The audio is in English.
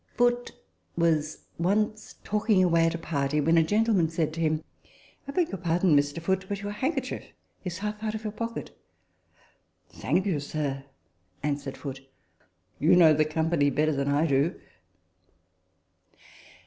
" Foote was once talking away at a party, when a gentleman said to him, " I beg your pardon, Mr. Foote, but your handkerchief is half out of your pocket." " Thank you, sir," answered Foote ;" you know the company better than I do."